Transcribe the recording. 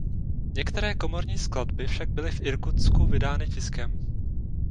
Některé komorní skladby však byly v Irkutsku vydány tiskem.